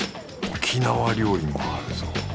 沖縄料理もあるぞ。